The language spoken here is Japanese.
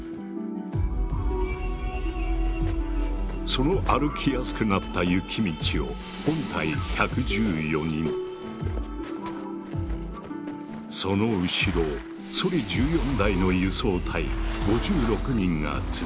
その歩きやすくなった雪道をその後ろをソリ１４台の輸送隊５６人が続く。